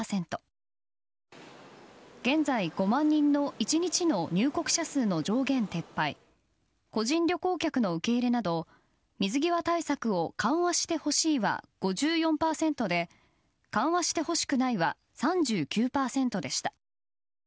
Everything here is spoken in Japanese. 現在５万人の１日の入国者数の上限撤廃個人旅行客の受け入れなど水際対策を緩和してほしいは５４％で緩和してほしくないは３９％でした。